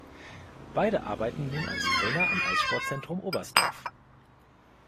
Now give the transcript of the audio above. Beide arbeiten nun als Trainer am Eissportzentrum Oberstdorf.